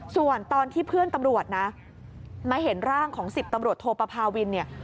ส่วนตอนที่เพื่อนตำรวจนะมาเห็นร่างของ๑๐ตำรวจโทปภาวินเนี่ย